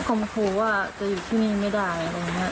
เขามาขู่ว่าจะอยู่ที่นี่ไม่ได้อะไรอย่างเงี้ย